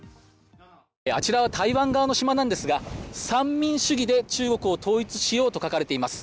あちらは台湾側の島なんですが三民主義で中国を統一しようと書かれています。